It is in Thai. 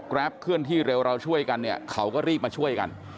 กราฟที่เร็วเราช่วยกันเขาก็รีบมาช่วยกัน